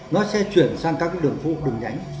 nó sẽ chuyển sang các đường phụ đường nhánh